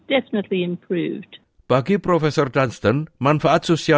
dengan orang yang lebih tua